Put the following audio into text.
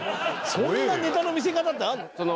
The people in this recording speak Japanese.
そんなネタの見せ方ってあるの？